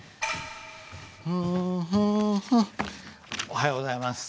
おはようございます。